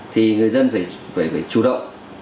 thì người dân phải chủ động